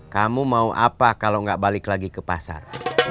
kamu mau apa kalau nggak balik lagi ke pasar